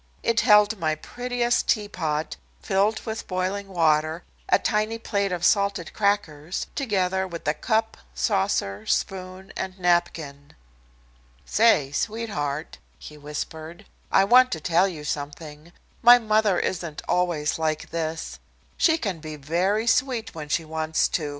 It held my prettiest teapot filled with boiling water, a tiny plate of salted crackers, together with cup, saucer, spoon and napkin. "Say, sweetheart," he whispered, "I want to tell you something. My mother isn't always like this. She can be very sweet when she wants to.